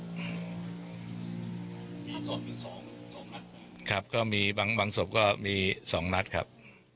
สองครับก็มีบางบางศพก็มีสองนัดครับ